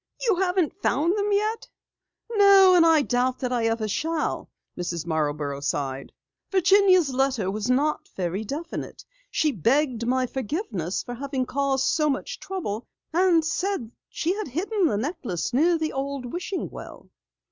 "You haven't found them yet?" "No, and I doubt that I ever shall," Mrs. Marborough sighed. "Virginia's letter was not very definite. She begged my forgiveness for having caused so much trouble, and said that she had hidden the necklace near the old wishing well."